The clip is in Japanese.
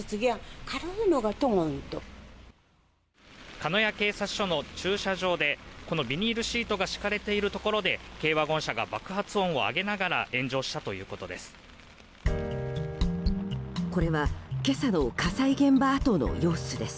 鹿屋警察署の駐車場でこのビニールシートが敷かれているところで軽ワゴン車が爆発音を上げながら炎上したということです。